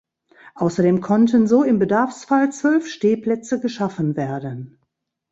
Außerdem konnten so im Bedarfsfall zwölf Stehplätze geschaffen werden.